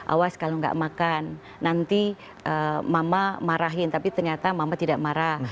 awas kalau nggak makan nanti mama marahin tapi ternyata mama tidak marah